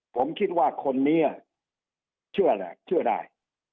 ผมคิดว่าคนนี้เชื่อแหละเชื่อได้